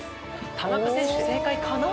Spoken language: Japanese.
田中選手、正解かな？